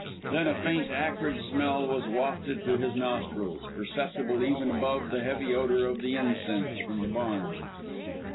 Then a faint acrid smell was wafted to his nostrils, perceptible even above the heavy odour of the incense from the barn.